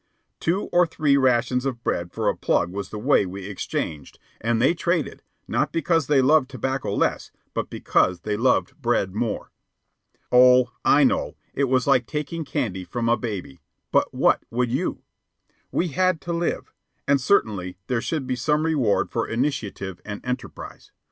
Two or three rations of bread for a plug was the way we exchanged, and they traded, not because they loved tobacco less, but because they loved bread more. Oh, I know, it was like taking candy from a baby, but what would you? We had to live. And certainly there should be some reward for initiative and enterprise.